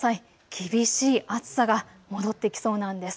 厳しい暑さが戻ってきそうなんです。